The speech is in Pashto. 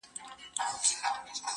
زما د ميني جنډه پورته ښه ده~